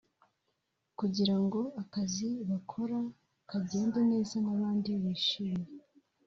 kugira ngo akazi bakora kagende neza n’abandi bishime